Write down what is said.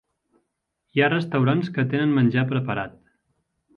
Hi ha restaurants que tenen menjar preparat.